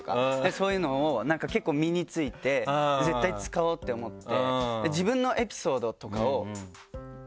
そういうのを結構身に付いて絶対使おうって思って。